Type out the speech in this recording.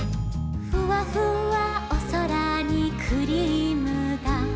「ふわふわおそらにクリームだ」